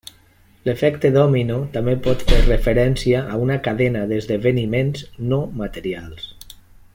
L'efecte dòmino també pot fer referència a una cadena d'esdeveniments no materials.